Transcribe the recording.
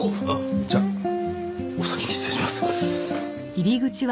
じゃあお先に失礼します。